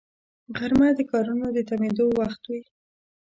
غرمه د کارونو د تمېدو وخت وي